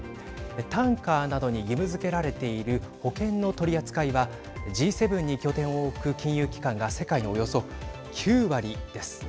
タンカーなどに義務づけられている保険の取り扱いはＧ７に拠点を置く金融機関が世界のおよそ９割です。